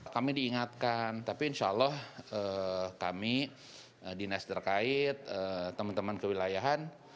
kami diingatkan tapi insya allah kami dinas terkait teman teman kewilayahan